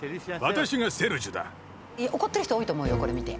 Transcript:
怒ってる人多いと思うよこれ見て。